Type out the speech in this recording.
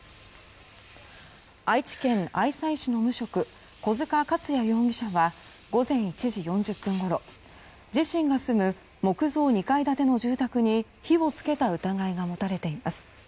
愛知県愛西市の無職小塚勝也容疑者は午前１時４０分ごろ自身が住む木造２階建ての住宅に火を付けた疑いが持たれています。